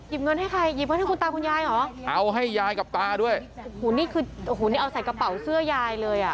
เงินให้ใครหยิบเงินให้คุณตาคุณยายเหรอเอาให้ยายกับตาด้วยโอ้โหนี่คือโอ้โหนี่เอาใส่กระเป๋าเสื้อยายเลยอ่ะ